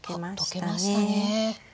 溶けましたね。